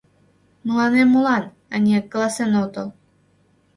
Мыланем молан, ане, каласен отыл.